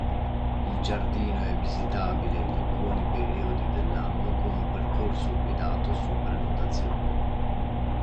Il giardino è visitabile in alcuni periodi dell'anno con un percorso guidato su prenotazione.